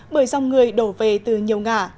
bởi dòng người đổ về từ nhiều ngã